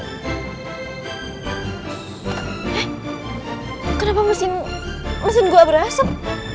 eh kenapa mesin gua berasap